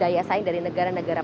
daya saing dari negara negara